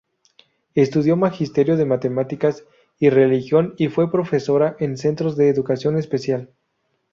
Estudió magisterio de matemáticas y religión y fue profesora en centros de educación especial.